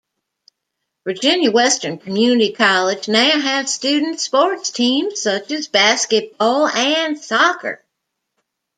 Virginia Western Community College now has student sports teams such as basketball and soccer.